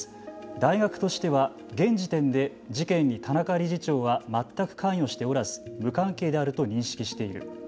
大学としては現時点で事件に田中理事長は全く関与しておらず無関係であると認識している。